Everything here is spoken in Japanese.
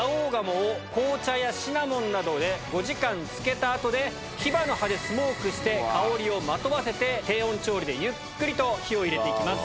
紅茶やシナモンなどで５時間つけた後でヒバの葉でスモークして香りをまとわせて低温調理でゆっくりと火を入れて行きます。